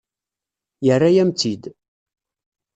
Yerra-yam-tt-id.